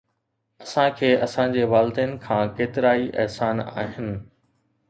اسان کي اسان جي والدين کان ڪيترائي احسان آهن